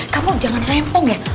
kamu jangan rempong ya